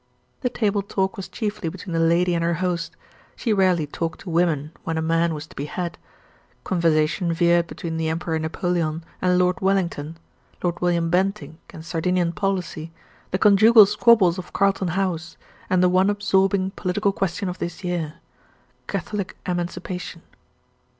The table talk was chiefly between the lady and her host; she rarely talked to women when a man was to be had. Conversation veered between the Emperor Napoleon and Lord Wellington, Lord William Bentinck and Sardinian policy, the conjugal squabbles of Carlton House, and the one absorbing political question of this year Catholic emancipation.